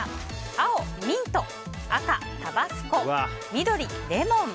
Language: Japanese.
青、ミント赤、タバスコ緑、レモン。